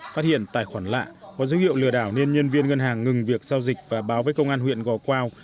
phát hiện tài khoản lạ có dấu hiệu lừa đảo nên nhân viên ngân hàng ngừng việc giao dịch và báo với công an huyện gò quao